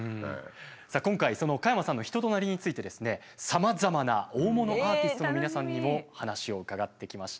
さあ今回その加山さんの人となりについてですねさまざまな大物アーティストの皆さんにも話を伺ってきました。